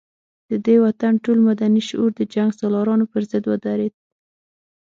د دې وطن ټول مدني شعور د جنګ سالارانو پر ضد ودرېد.